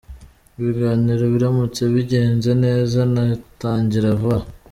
Ibiganiro biramutse bigenze neza yanatangira vuba aha.